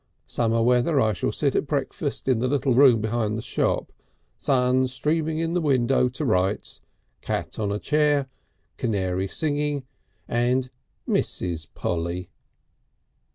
Summer weather I shall sit at breakfast in the little room behind the shop, sun streaming in the window to rights, cat on a chair, canary singing and Mrs. Polly...."